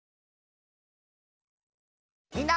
みんな。